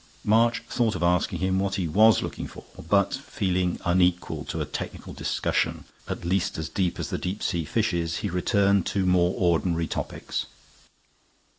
March thought of asking him what he was looking for; but, feeling unequal to a technical discussion at least as deep as the deep sea fishes, he returned to more ordinary topics.